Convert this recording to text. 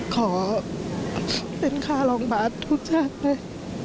ขอเป็นค่าล้องบาดทุกชาติ